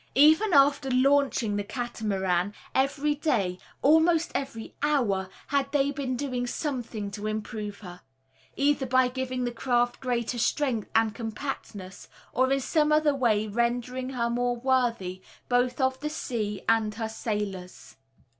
Even after "launching" the Catamaran, every day, almost every hour, had they been doing something to improve her, either by giving the craft greater strength and compactness, or in some other way rendering her more worthy both of the sea and her sailors.